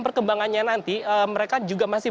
perkembangannya nanti mereka juga masih